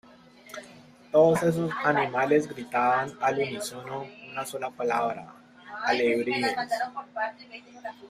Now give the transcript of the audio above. Todos esos animales gritaban al unísono una sola palabra: "¡Alebrijes!